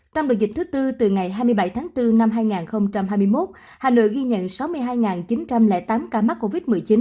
trong đợt dịch thứ tư từ ngày hai mươi bảy tháng bốn năm hai nghìn hai mươi một hà nội ghi nhận sáu mươi hai chín trăm linh tám ca mắc covid một mươi chín